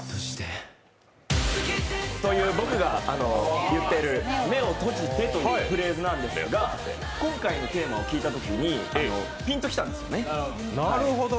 という、僕が言っている「目を閉じて」というフレーズなんですが今回のテーマを聞いたときにピンときたんですよね。